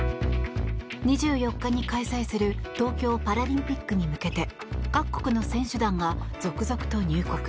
２４日に開催する東京パラリンピックに向けて各国の選手団が続々と入国。